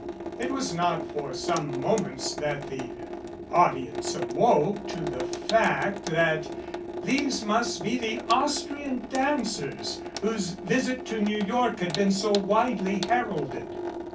It was not for some moments that the audience awoke to the fact that these must be the Austrian dancers whose visit to New York had been so widely heralded.